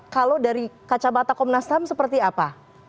kalau dari kacamata komnas ham seperti apa